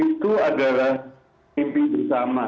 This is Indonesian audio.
itu adalah impi bersama